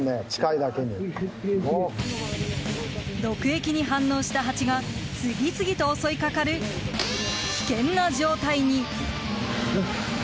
毒液に反応したハチが次々と襲いかかる危険な状態に。